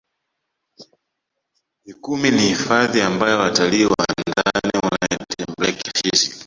mikumi ni hifadhi ambayo watalii wa ndani wanaitembelea kirahisi